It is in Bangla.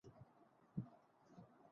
অরুণ মিত্র একজন বাঙালি লেখক।